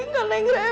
gak laeng reva